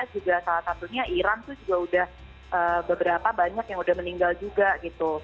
juga salah satunya iran tuh juga udah beberapa banyak yang udah meninggal juga gitu